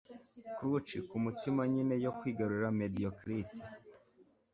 Clutch kumutima nyine yo kwigarurira mediocrite